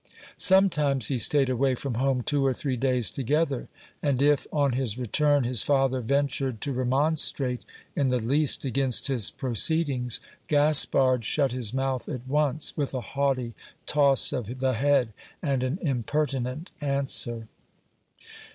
Some times he stayed away from home two or three days together ; and if, on his re turn, his father ventured to remonstrate in the least against his proceedings, Gaspard shut his mouth at once, with a haughty toss of the head, and an im pertinent answer.